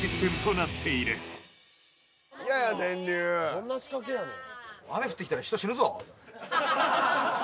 ・どんな仕掛けやねん